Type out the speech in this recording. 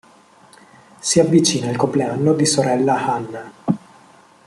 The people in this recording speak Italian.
Si avvicina il compleanno di sorella Hanna.